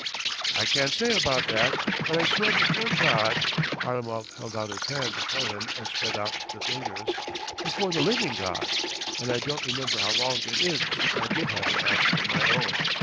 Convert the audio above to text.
..." "I can't say about that, but I swear before God (Harlamov held out his hand before him and spread out the fingers), before the living God. And I don't remember how long it is since I did have an axe of my own.